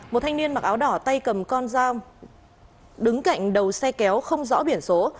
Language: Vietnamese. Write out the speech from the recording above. một thanh niên mặc áo đỏ tay cầm con dao đứng cạnh đầu xe kéo không rõ biển số